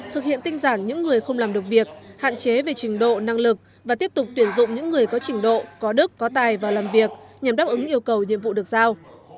thực hiện tinh giản những người không làm được việc hạn chế về trình độ năng lực và tiếp tục tuyển dụng những người có trình độ có đức có tài và làm việc nhằm đáp ứng yêu cầu nhiệm vụ được giao